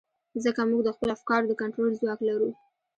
ځکه موږ د خپلو افکارو د کنټرول ځواک لرو.